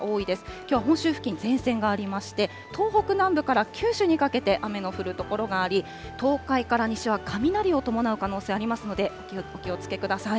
きょうは本州付近、前線がありまして、東北南部から九州にかけて雨の降る所があり、東海から西は雷を伴う可能性ありますので、お気をつけください。